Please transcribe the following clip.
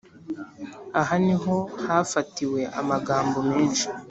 ahaniho hafatiwe amagambo menshi